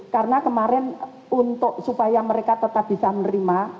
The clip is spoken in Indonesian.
karena kemarin untuk supaya mereka tetap bisa menerima